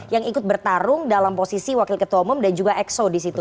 yang ikut bertarung dalam posisi wakil ketua umum dan juga exo disitu